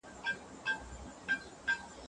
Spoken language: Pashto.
باطل هیڅکله حق ته ماته نه سي ورکولای.